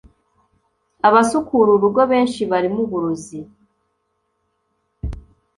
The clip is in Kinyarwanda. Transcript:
Abasukura urugo benshi barimo uburozi